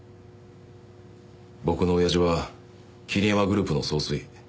僕の親父は桐山グループの総帥。